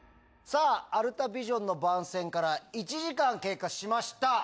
さあ、アルタビジョンの番宣から１時間経過しました。